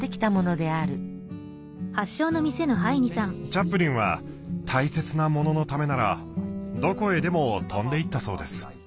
チャップリンは大切なもののためならどこへでも飛んでいったそうです。